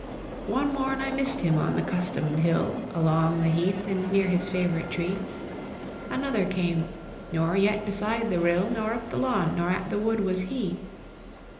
"One morn I miss'd him on the custom'd hill, Along the heath, and near his favourite tree; Another came; nor yet beside the rill, Nor up the lawn, nor at the wood was he.